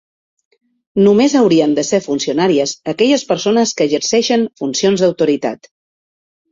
Només haurien de ser funcionàries aquelles persones que exerceixen funcions d’autoritat.